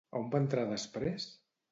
On va entrar després?